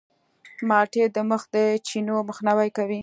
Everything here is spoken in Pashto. مالټې د مخ د چینو مخنیوی کوي.